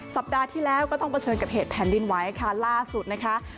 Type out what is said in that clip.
สัปดาห์ที่แล้วก็ต้องเผชิญกับเหตุแผ่นดินไหวค่ะล่าสุดนะคะ